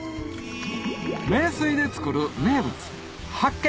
名水で作る名物発見！